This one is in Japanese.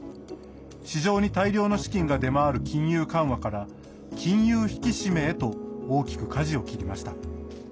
市場に大量の資金が出回る金融緩和から金融引き締めへと大きくかじを切りました。